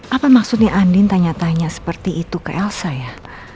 apa maksudnya andin tanya tanya seperti itu ke el saya